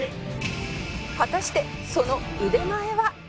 果たしてその腕前は？